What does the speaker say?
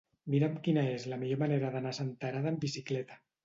Mira'm quina és la millor manera d'anar a Senterada amb bicicleta.